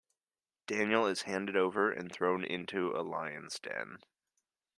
Daniel is handed over, and thrown into a lions' den.